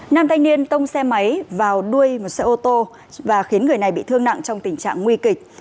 nam thanh niên tông xe máy vào đuôi một xe ô tô và khiến người này bị thương nặng trong tình trạng nguy kịch